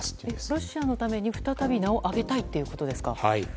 ロシアのために再び名を上げたいということですか。